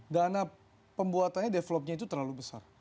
dana pembuatannya developnya itu terlalu besar